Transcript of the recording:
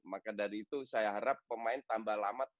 maka dari itu saya harap pemain tambah lama